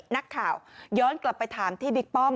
นักข่าวย้อนกลับไปถามที่บิ๊กป้อม